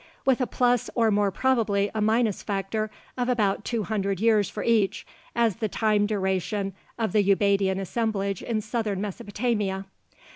with a plus or more probably a minus factor of about two hundred years for each, as the time duration of the Ubaidian assemblage in southern Mesopotamia.